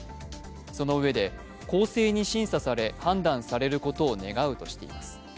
そのうえで、公正に審査され判断されることを願うとしています。